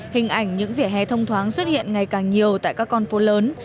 hình ảnh những vỉa hè thông thoáng xuất hiện ngày càng nhiều tại các con phố lớn